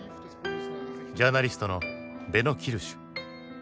ジャーナリストのべノ・キルシュ。